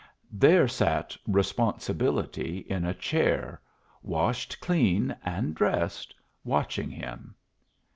There sat Responsibility in a chair, washed clean and dressed, watching him.